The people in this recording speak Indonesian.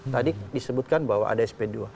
tadi disebutkan bahwa ada sp dua